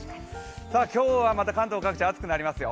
今日はまた関東各地暑くなりますよ。